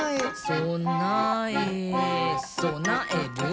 「そなえそなえる！」